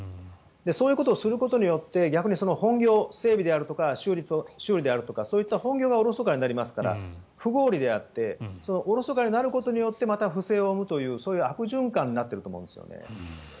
そういうことをすることで逆に本業整備であるとか修理であるとかそういった本業がおろそかになりますから不合理であっておろそかになることによってまた不正を生むというそういう悪循環になっていると思うんですよね。